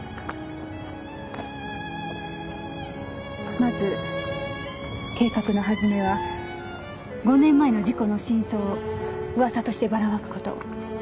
まず計画の始めは５年前の事故の真相を噂としてバラまくこと。